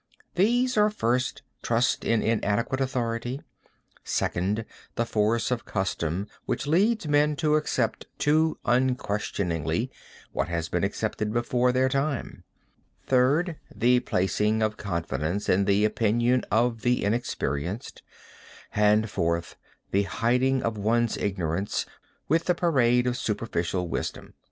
"These are first, trust in inadequate authority; second, the force of custom which leads men to accept too unquestioningly what has been accepted before their time; third, the placing of confidence in the opinion of the inexperienced; and fourth, the hiding of one's own ignorance with the parade of a superficial wisdom."